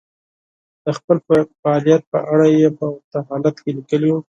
د خپل فعاليت په اړه يې په ورته حالت کې ليکلي وو.